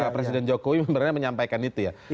presiden jokowi sebenarnya menyampaikan itu ya